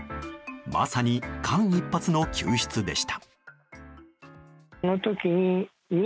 まさに間一髪の救出でした。